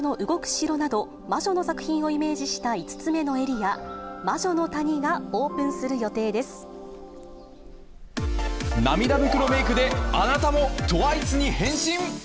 また、来年３月には、ハウルの動く城など、魔女の作品をイメージした５つ目のエリア、魔女の谷が涙袋メークであなたもＴＷＩＣＥに変身。